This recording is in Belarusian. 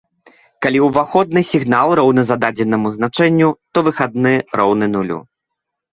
Калі уваходны сігнал роўны зададзенаму значэнню, то выхадны роўны нулю.